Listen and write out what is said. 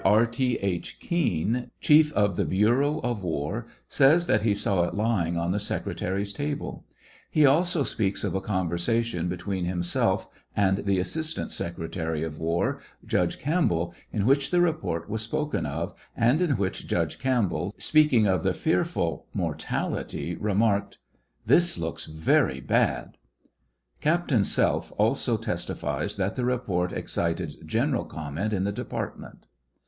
R T. H. Kean, chief of the bureau of war, says that he saw it lying on the secretary's table. He also speaks of a conversation between himself and the TRIAL OP HENRY WIRZ. 759 assistant secretary of war, Judge Cam'pbell, in which the report was spoken of, and in which Judge Campbell, speaking of the fearful mortality, remarked, "This looks very bad." Captain Selph also testifies that the report excited general comment in the department.